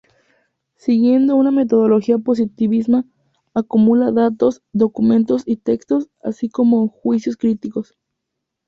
Siguiendo una metodología positivista, acumula datos, documentos y textos, así como juicios críticos.